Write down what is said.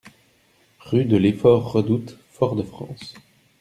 Rue de l'Effort Redoute, Fort-de-France